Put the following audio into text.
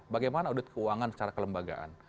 bagaimana audit keuangan secara kelembagaan